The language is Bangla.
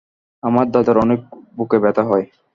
আমার দাদার অনেক বুকে ব্যথা হয়।